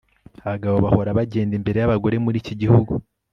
Abagabo bahora bagenda imbere yabagore muri iki gihugu